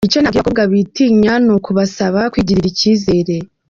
Icyo nabwira abakobwa bitinya ni ukubasaba kwigirira icyizere.